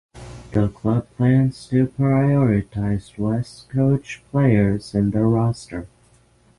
The club plans to prioritize West coach players in their roster.